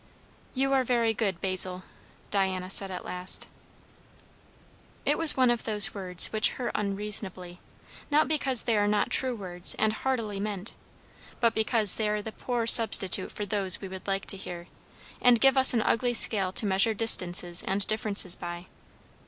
"You are very good, Basil!" Diana said at last. It was one of those words which hurt unreasonably. Not because they are not true words and heartily meant, but because they are the poor substitute for those we would like to hear, and give us an ugly scale to measure distances and differences by.